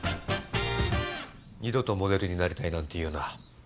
二度とモデルになりたいなんて言うな。